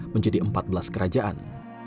menjadi empat belas kerajaan